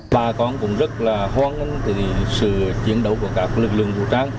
bà con cũng rất là hoan nghênh sự chiến đấu của các lực lượng vũ trang